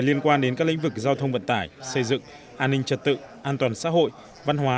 liên quan đến các lĩnh vực giao thông vận tải xây dựng an ninh trật tự an toàn xã hội văn hóa